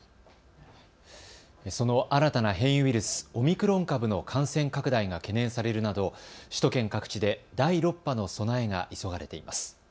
その新たな変異ウイルス、オミクロン株の感染拡大が懸念されるなど首都圏各地で第６波の備えが急がれています。